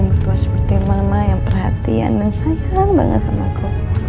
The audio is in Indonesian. betul seperti mama yang perhatian dan sayang banget sama aku